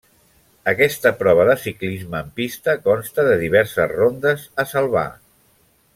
Aquesta prova de ciclisme en pista consta de diverses rondes a salvar.